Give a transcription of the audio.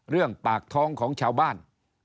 เรื่องปากท้องของชาวบ้าน